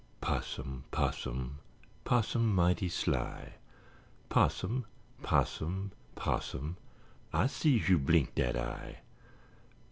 'Possum, 'possum, 'possum mighty sly, 'Possum, 'possum, 'possum, ah sees you blink dat eye.